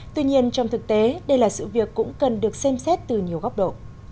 tuy nhiên trong thực tế đây là sự việc cũng cần được xem xét từ nhiều góc độ